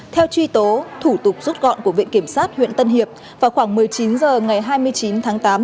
theo truy tố thủ tục rút gọn của viện kiểm sát huyện tân hiệp vào khoảng một mươi chín h ngày hai mươi chín tháng tám